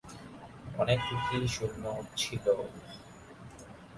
অনেক কুকি সৈন্য ছিল।